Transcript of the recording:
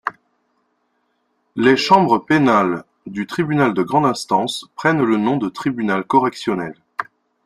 Les chambres pénales du tribunal de grande instance prennent le nom de tribunal correctionnel.